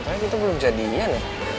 makanya kita belum jadian ya